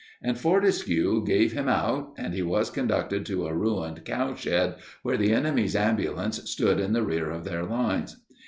And Fortescue gave him out, and he was conducted to a ruined cowshed, where the enemy's ambulance stood in the rear of their lines.